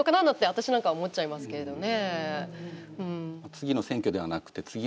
私なんかは思っちゃいますけれどね。